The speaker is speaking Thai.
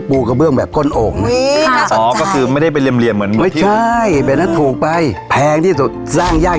โอ้เป็นแอปใส่กระหมวดอ่ะทั้งกับหัวเตียงค่ะ